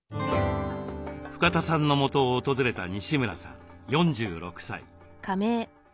深田さんのもとを訪れた西村さん４６歳。